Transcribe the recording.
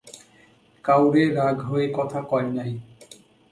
কাউরে রাগ হয়ে কথা কয় নাই।